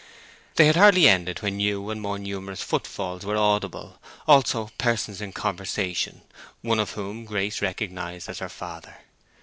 They had hardly ended when now and more numerous foot falls were audible, also persons in conversation, one of whom Grace recognized as her father.